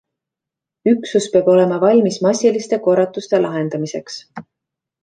Üksus peab olema valmis massiliste korratuste lahendamiseks.